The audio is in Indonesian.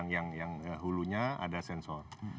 yang hulunya ada sensor